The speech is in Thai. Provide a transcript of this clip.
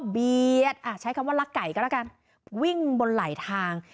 เบียดอ่ะใช้คำว่าลักไก่กันแล้วกันวิ่งบนหลายทาง